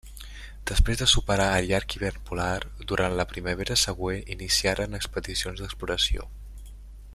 Després de superar el llarg hivern polar, durant la primavera següent iniciaren expedicions d'exploració.